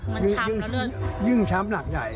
มันช้ำแล้วเลือดยึ่งช้ำหนักใหญ่